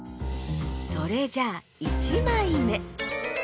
それじゃあ１まいめ。